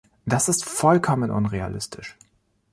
Das ist vollkommen unrealistisch.